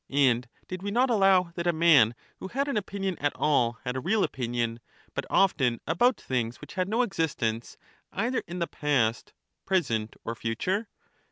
And did we not allow that a man who had an opinion at all had a real opinion, but often about things which had no existence either in the past, present, or future